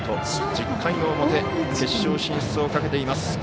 １０回の表決勝進出をかけています。